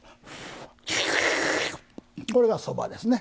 これが、そばですね。